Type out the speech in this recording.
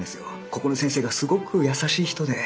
ここの先生がすごく優しい人で。